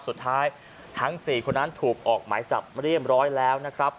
ทั้ง๔คนนั้นถูกออกหมายจับเรียบร้อยแล้วนะครับ